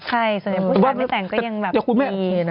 ใช่ส่วนใหญ่ผู้ชายไม่แต่งก็ยังแบบ